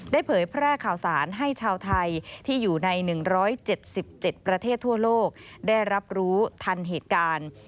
เผยแพร่ข่าวสารให้ชาวไทยที่อยู่ใน๑๗๗ประเทศทั่วโลกได้รับรู้ทันเหตุการณ์